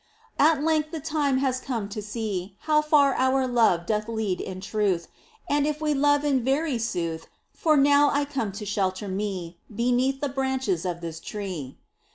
At length the time has come to see How far our love doth lead in truth, And if we love in very sooth, For now I come to shelter me Beneath the branches of this tree.